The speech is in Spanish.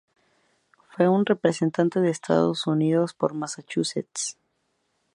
Fue un representante de Estados Unidos por Massachusetts.